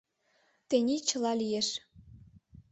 Тений чыла лиеш.